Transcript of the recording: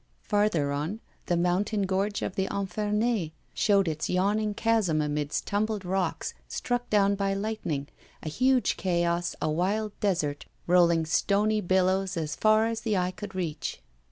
Farther on, the mountain gorge of the Infernets showed its yawning chasm amidst tumbled rocks, struck down by lightning, a huge chaos, a wild desert, rolling stony billows as far as the eye could reach.